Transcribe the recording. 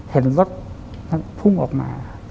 เห็นรถพุ่งออกมา